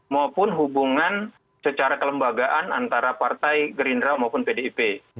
maupun hubungan secara kelembagaan antara partai gerindra maupun pdip